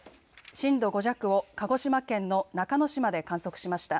震度５弱を鹿児島県の中之島で観測しました。